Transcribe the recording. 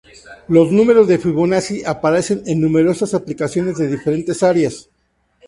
Los números de Fibonacci aparecen en numerosas aplicaciones de diferentes áreas.